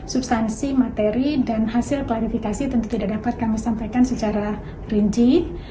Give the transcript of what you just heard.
substansi materi dan hasil klarifikasi tentu tidak dapat kami sampaikan secara rinci